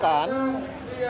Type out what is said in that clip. dan kita beri batas